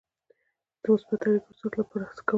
زه د مثبتو اړیکو د ساتلو لپاره هڅه کوم.